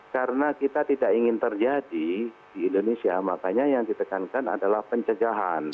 karena kita tidak ingin terjadi di indonesia makanya yang ditekankan adalah pencegahan